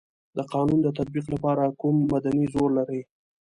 د قانون د تطبیق لپاره کوم مدني زور لري.